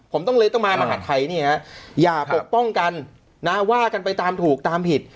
ผมต้องเลยต้องมามหาดไทยเนี่ยอย่าปกป้องกันนะว่ากันไปตามถูกตามผิด